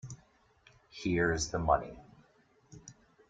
Here's the money.